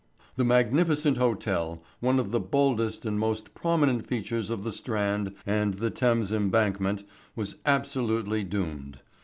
The magnificent hotel, one of the boldest and most prominent features of the Strand and the Thames Embankment, was absolutely doomed.